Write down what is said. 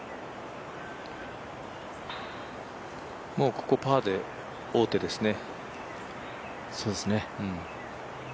もうここパーで、王手ですね。